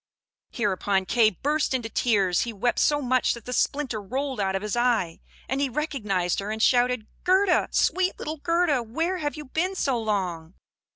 Hereupon Kay burst into tears; he wept so much that the splinter rolled out of his eye, and he recognised her, and shouted, "Gerda, sweet little Gerda! Where have you been so long?